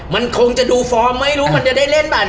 มันคงจะดูฟอร์มไม่รู้มันจะได้เล่นป่ะ